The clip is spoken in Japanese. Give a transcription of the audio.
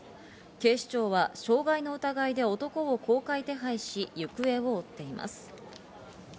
警視庁は傷害の疑いで男を公開手配し、行方を追っています。